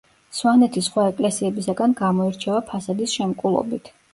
სვანეთის სხვა ეკლესიებისაგან გამოირჩევა ფასადის შემკულობით.